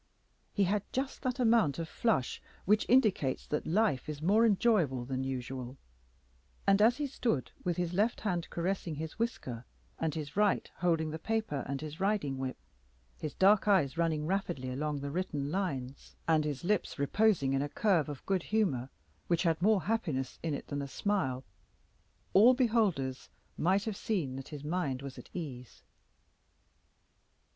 He had just that amount of flush which indicates that life is more enjoyable than usual; and as he stood with his left hand caressing his whisker, and his right holding the paper and his riding whip, his dark eyes running rapidly along the written lines, and his lips reposing in a curve of good humor which had more happiness in it than a smile, all beholders might have seen that his mind was at ease.